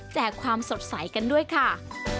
แจกความสดใสกันด้วยค่ะ